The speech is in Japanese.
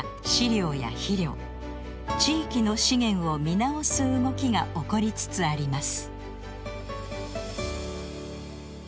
地域の資源を見直す動きが起こりつつあります。